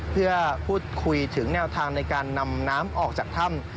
เพื่อพูดคุยถึงแนวทางในการนำน้ำออกจากถ้ำ